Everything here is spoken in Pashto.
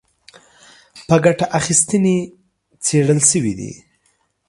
په ګټه اخیستنې څېړل شوي دي